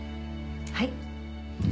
はい。